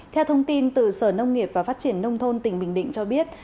theo thông tin từ sở nông nghiệp và phát triển nông thôn tỉnh bình định cho biết